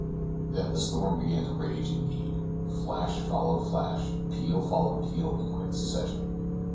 Then the storm began to rage indeed. Flash followed flash, peal followed peal in quick succession.